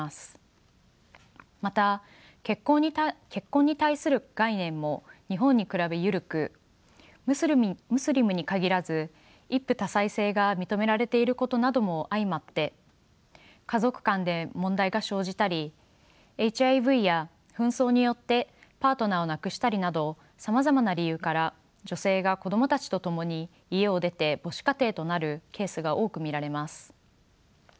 また結婚に対する概念も日本に比べ緩くムスリムに限らず一夫多妻制が認められていることなども相まって家族間で問題が生じたりＨＩＶや紛争によってパートナーを亡くしたりなどさまざまな理由から女性が子供たちと共に家を出て母子家庭となるケースが多く見られます。